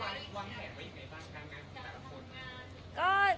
การทำงาน